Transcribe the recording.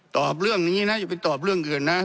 ตอบเรื่องนี้นะอย่าไปตอบเรื่องอื่นนะ